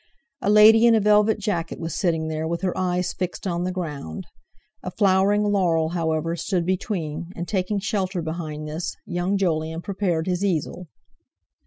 A lady in a velvet jacket was sitting there, with her eyes fixed on the ground. A flowering laurel, however, stood between, and, taking shelter behind this, young Jolyon prepared his easel.